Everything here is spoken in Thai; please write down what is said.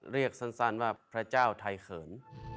เรียกสั้นว่าพระเจ้าไทยเขิน